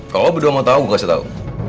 kalau berdua mau tau gue kasih tau